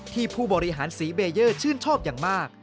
ผู้บริหารสีเบเยอร์ชื่นชอบอย่างมาก